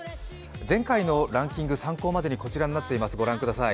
前回のランキング、参考までにこちらになっています。